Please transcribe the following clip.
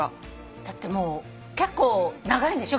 だってもう結構長いんでしょ